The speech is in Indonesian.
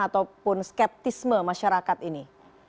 ataupun skeptisme masyarakat ini